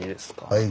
はい。